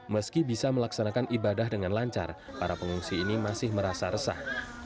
meski bisa melaksanakan ibadah dengan lancar para pengungsi ini masih merasa resah